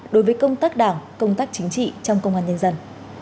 đối với công tác đảng công tác chính trị trong công an nhân dân